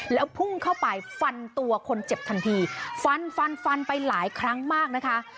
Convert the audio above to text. แล้วพุ่งเข้าไปฟันตัวคนเจ็บทันทีฟันฟันฟันไปหลายครั้งมากนะคะ